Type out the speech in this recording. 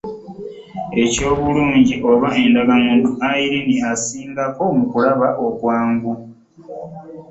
Eky'obulungi oba endagamuntu, Irene asingako mu kulaba okwangu.